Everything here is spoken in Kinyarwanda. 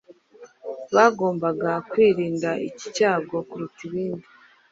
Bagombaga kwirinda iki cyago kuruta ibindi